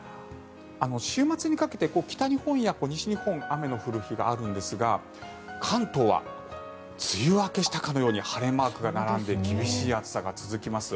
週末にかけて北日本や西日本雨が降るところがあるんですが関東は梅雨明けしたかのように晴れマークが並んで厳しい暑さが続きます。